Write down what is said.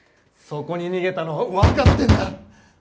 そこに逃げたのはわかってんだ！